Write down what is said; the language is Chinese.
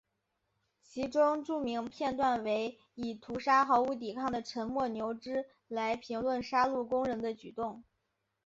其中著名片段为以屠杀毫无抵抗的沉默牛只来评论杀戮工人的举动。